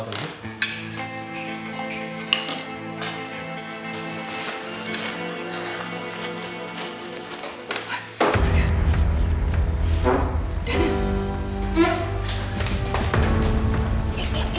udah mending tidur aja yuk